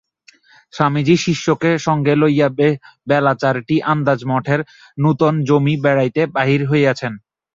স্বামীজী শিষ্যকে সঙ্গে লইয়া বেলা চারিটা আন্দাজ মঠের নূতন জমিতে বেড়াইতে বাহির হইয়াছেন।